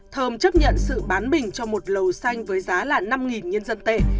thơm chấp nhận sự bán bình cho một lầu xanh với giá là năm nhân dân tệ